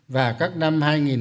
và các năm hai nghìn hai mươi một